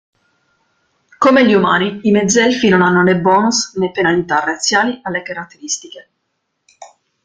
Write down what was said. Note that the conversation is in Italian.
Come gli umani, i mezzelfi non hanno né bonus, né penalità razziali alle caratteristiche.